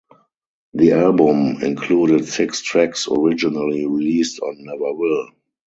The album included six tracks originally released on "Never Will".